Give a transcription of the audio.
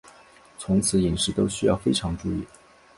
从此饮食都需要非常注意